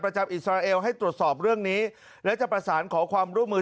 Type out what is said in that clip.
อิสราเอลให้ตรวจสอบเรื่องนี้และจะประสานขอความร่วมมือ